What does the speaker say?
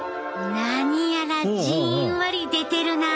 何やらじんわり出てるなあ。